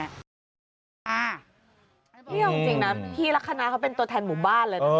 นี่เอาจริงนะพี่ลักษณะเขาเป็นตัวแทนหมู่บ้านเลยนะ